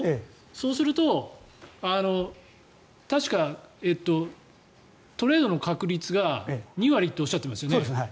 そうすると、確かトレードの確率が２割っておっしゃってましたよね。